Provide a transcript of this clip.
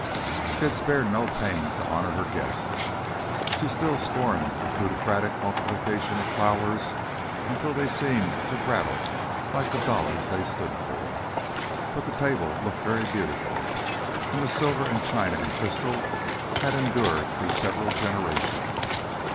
She had spared no pains to honour her guests. She still scorned the plutocratic multiplication of flowers until they seemed to rattle like the dollars they stood for, but the table looked very beautiful, and the silver and china and crystal had endured through several generations.